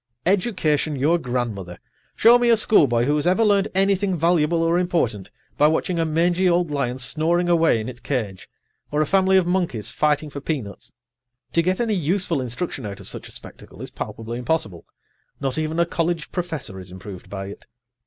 Education your grandmother! Show me a schoolboy who has ever learned anything valuable or important by watching a mangy old lion snoring away in its cage or a family of monkeys fighting for peanuts. To get any useful instruction out of such a spectacle is palpably impossible; not even a college professor is improved by it.